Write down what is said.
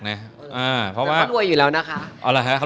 เขารวยอยู่แล้วนะครับ